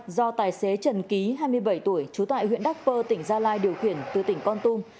do tài xế trần ký hai mươi bảy tuổi trú tại huyện đắc pơ tỉnh gia lai điều khiển từ tỉnh con tum